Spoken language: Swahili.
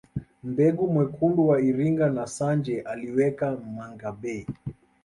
Mbega mwekundu wa Iringa na Sanje aliweka mangabey